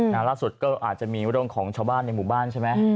ล่าสุดก็อาจจะมีเรื่องของชาวบ้านในหมู่บ้านใช่ไหม